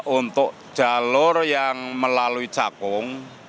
untuk jalur yang melalui cakung